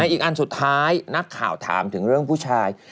อีกอันสุดท้ายนักข่าวถามถึงเรื่องผู้ชาย